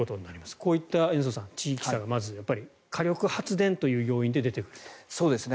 こういった地域差がまず火力発電という要因で出てくると。